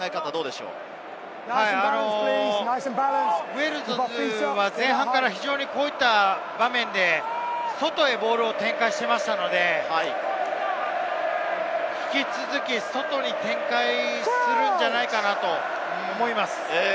ウェールズは前半からこういった場面で外へボールを展開していましたので、引き続き、外に展開するんじゃないかなと思います。